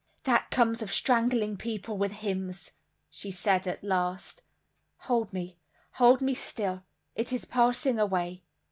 That comes of strangling people with hymns!" she said at last. "Hold me, hold me still. It is passing away."